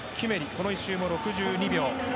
この１周も６２秒。